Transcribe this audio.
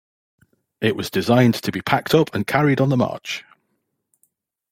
It was designed to be packed up and carried on the march.